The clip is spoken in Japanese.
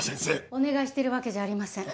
お願いしてるわけじゃありません。